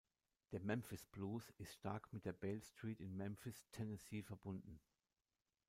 Der Memphis Blues ist stark mit der Beale Street in Memphis, Tennessee verbunden.